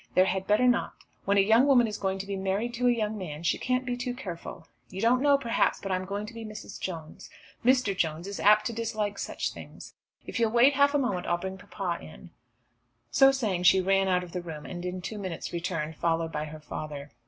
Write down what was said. There had better not. When a young woman is going to be married to a young man, she can't be too careful. You don't know, perhaps, but I'm going to be Mrs. Jones. Mr. Jones is apt to dislike such things. If you'll wait half a moment, I'll bring papa in." So saying she ran out of the room, and in two minutes returned, followed by her father.